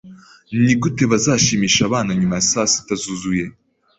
Nigute bazashimisha abana nyuma ya saa sita zuzuye?